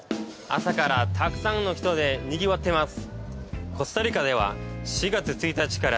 朝からたくさんの人でにぎわっています。